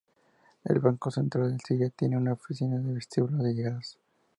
El "Banco Central de Siria" tiene una oficina en el vestíbulo de llegadas.